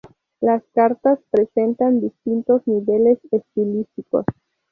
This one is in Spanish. Las "Cartas" presentan distintos niveles estilísticos.